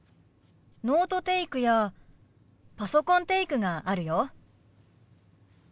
ノートテイクやパソコンテイクがあるよ。